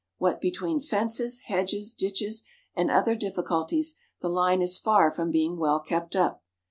What between fences, hedges, ditches, and other difficulties, the line is far from being well kept up.